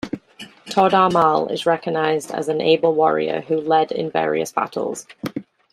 Todar Mal is recognized as an able warrior, who led in various battles.